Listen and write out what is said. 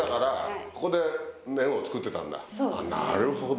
なるほど。